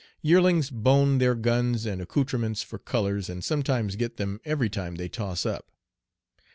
Yearlings "bone" their guns and accoutrements for "colors," and sometimes get them every time they toss up.